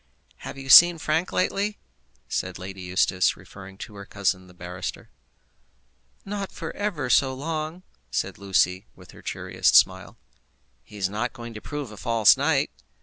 "Have you seen Frank, lately?" said Lady Eustace, referring to her cousin the barrister. "Not for ever so long," said Lucy, with her cheeriest smile. "He is not going to prove a false knight?"